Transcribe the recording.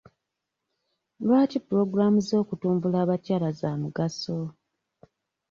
Lwaki puloogulaamu z'okutumbula abakyala za mugaso?